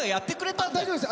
大丈夫です。